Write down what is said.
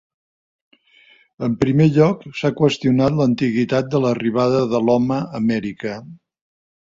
En primer lloc, s'ha qüestionat l'antiguitat de l'arribada de l'home a Amèrica.